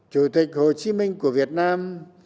chủ tịch hồ chí minh của việt nam